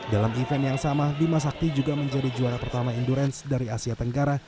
dalam event yang sama bima sakti juga menjadi juara pertama endurance dari asia tenggara